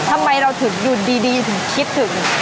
ทำไมเราถึงอยู่ดีถึงคิดถึง